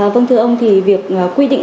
vâng thưa ông thì việc quy định